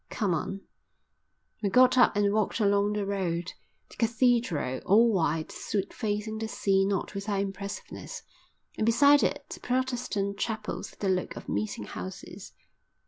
"Come on." We got up and walked along the road. The Cathedral, all white, stood facing the sea not without impressiveness, and beside it the Protestant chapels had the look of meeting houses.